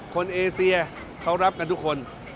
เอเซียเขารับกันทุกคน